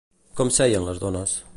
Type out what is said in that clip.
Com seien les dones?